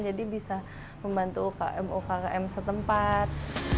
jadi bisa membantu ukm ukm setempat